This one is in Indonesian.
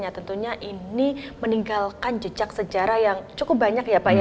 ya tentunya ini meninggalkan jejak sejarah yang cukup banyak ya pak ya